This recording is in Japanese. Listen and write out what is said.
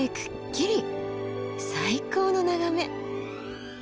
最高の眺め！